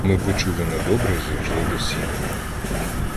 Ми почули недобре й зайшли до сіней.